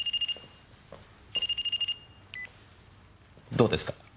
どうですか？